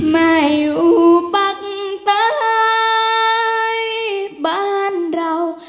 ไม่อยู่ปักตายบ้านเรา